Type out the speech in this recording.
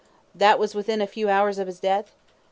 Q. That was within a few hours of his death?